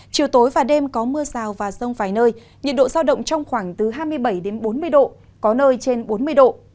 chiều tối và đêm có mưa rào và rông vài nơi nhiệt độ giao động trong khoảng từ hai mươi bảy bốn mươi độ có nơi trên bốn mươi độ